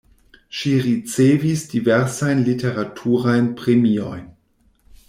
Ŝi ricevis diversajn literaturajn premiojn.